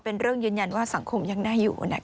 เป็นเรื่องยืนยันว่าสังคมยังน่าอยู่นะครับ